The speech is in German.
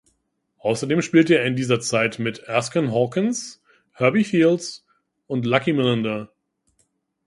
Außerdem spielte er in dieser Zeit mit Erskine Hawkins, Herbie Fields und Lucky Millinder.